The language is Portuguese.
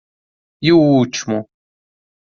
E o último?